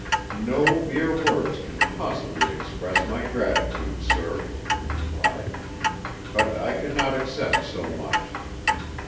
"No mere words can possibly express my gratitude, sir," he replied, "but I could not accept so much.